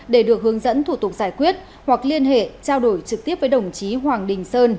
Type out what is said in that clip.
để được hướng dẫn thủ tục giải quyết hoặc liên hệ trao đổi trực tiếp với đồng chí hoàng đình sơn